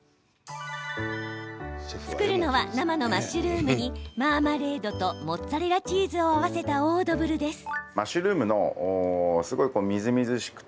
作るのは、生のマッシュルームにマーマレードとモッツァレラチーズを合わせたオードブルです。